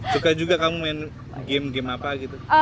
suka juga kamu main game game apa gitu